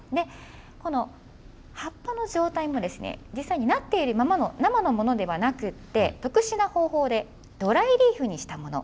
この葉っぱの状態も実際になっているままの、生のものではなくて、特殊な方法でドライリーフにしたもの。